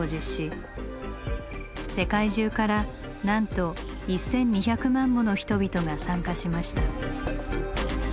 世界中からなんと１，２００万もの人々が参加しました。